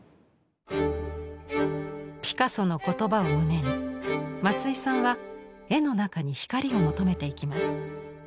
ピカソの言葉を胸に松井さんは絵の中に光を求めていきます。